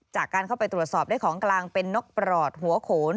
จากการเข้าไปตรวจสอบได้ของกลางเป็นนกปลอดหัวโขน